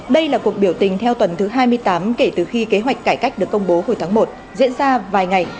đây là cuộc biểu tình theo tuần thứ hai mươi tám kể từ khi kế hoạch cải cách được công bố hồi tháng một diễn ra vài ngày